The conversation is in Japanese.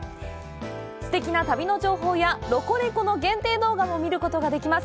すてきな旅の情報や「ロコレコ！」の限定動画も見ることができます。